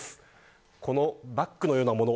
このバッグのようなもの。